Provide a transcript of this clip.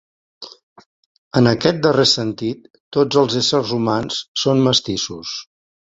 En aquest darrer sentit, tots els éssers humans són mestissos.